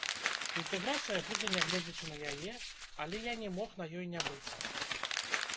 Інтэграцыя будзе нягледзячы на яе, але я не мог на ёй не быць!